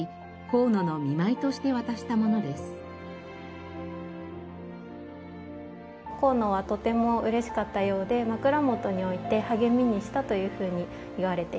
河野はとても嬉しかったようで枕元に置いて励みにしたというふうにいわれています。